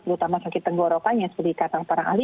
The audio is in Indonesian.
terutama sakit tenggorokan yang seperti kata para ahli